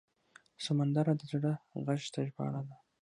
سندره د زړه غږ ته ژباړه ده